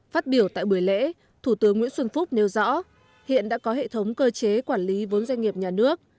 phát biểu tại buổi lễ thủ tướng nguyễn xuân phúc nêu rõ hiện đã có hệ thống cơ chế quản lý vốn doanh nghiệp nhà nước